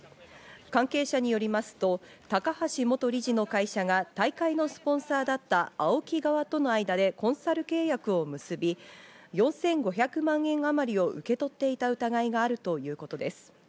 関係者によりますと、高橋元理事の会社が大会のスポンサーだったＡＯＫＩ側との間でコンサル契約を結び、４５００万円あまりを受け取っていた疑いがあるということです。